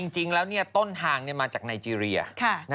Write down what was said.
จริงแล้วต้นทางมาจากไนเจรีย